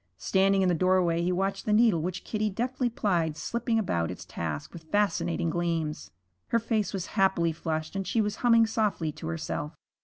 Standing in the doorway he watched the needle which Kitty deftly plied slipping about its task with fascinating gleams. Her face was happily flushed and she was humming softly to herself.